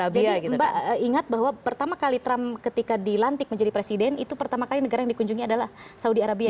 jadi mbak ingat bahwa pertama kali trump ketika dilantik menjadi presiden itu pertama kali negara yang dikunjungi adalah saudi arabia